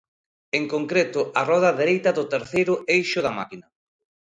En concreto, a roda dereita do terceiro eixo da máquina.